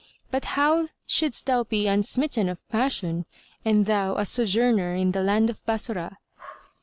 But how shouldst thou be unsmitten of passion and thou a sojourner in the land of Bassorah?"